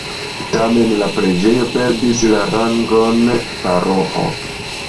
Tamen la preĝejo perdis la rangon paroĥo.